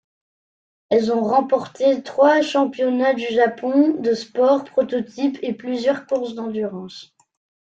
Elles ont remporté trois championnats du Japon de sport-prototypes et plusieurs courses d'endurance.